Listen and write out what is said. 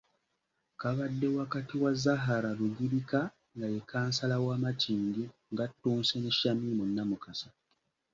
Kabadde wakati wa Zahara Luyirika nga ye kkansala wa Makindye ng’attunse ne Shamim Namukasa.